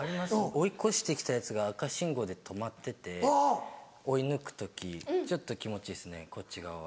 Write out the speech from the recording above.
追い越して来たやつが赤信号で止まってて追い抜く時ちょっと気持ちいいですねこっち側は。